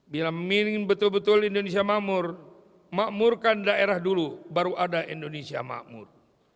bila memilih betul betul indonesia makmur makmurkan daerah dulu baru ada indonesia makmur